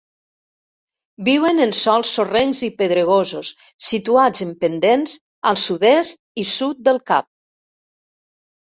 Viuen en sòls sorrencs i pedregosos situats en pendents al sud-est i sud del Cap.